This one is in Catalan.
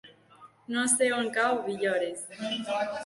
No sé on cau Villores.